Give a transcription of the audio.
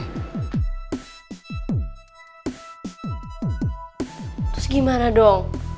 terus gimana dong